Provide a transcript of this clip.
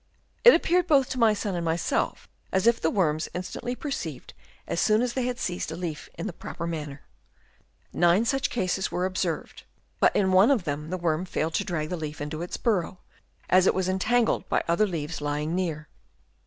It appeared both to my son and myself as if the worms instantly perceived as soon as they had seized a leaf in the proper manner. Nine such cases were observed, but in one of them the worm failed to drag 76 HABITS OF WORMS. Chap. II. the leaf into its burrow, as it was entangled by other leaves lying near.